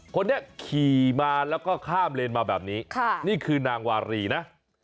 คนนี้ขี่มาแล้วก็ข้ามเลนมาแบบนี้นี่คือนางวารีนะ